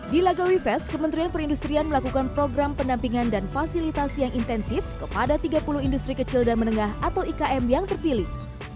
di lagawi fest kementerian perindustrian melakukan program pendampingan dan fasilitas yang intensif kepada tiga puluh industri kecil dan menengah atau ikm yang terpilih